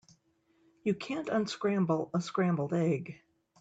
You can't unscramble a scrambled egg.